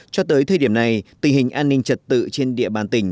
cho tới thời điểm này tình hình an ninh trật tự trên địa bàn tỉnh